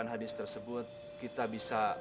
naik lalu ditana